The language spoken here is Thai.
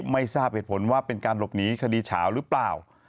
ไม่ทราบเหตุผลว่าเป็นการหลบหนีคดีเฉาหรือเปล่า